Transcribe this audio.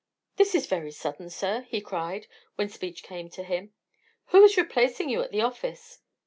"This is very sudden, sir!" he cried, when speech came to him. "Who is replacing you at the office?"